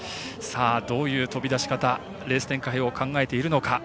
どういう飛び出し方やレース展開を考えているのか。